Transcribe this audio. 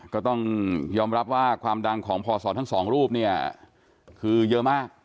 ก็ต้องยอมรับว่าความดังของพศทั้งสองรูปเนี่ยคือเยอะมาก